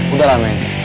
udah lah main